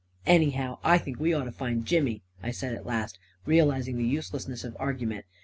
" Anyhow, I think we ought to find Jimmy," I said at last, realizing the uselessness of argument.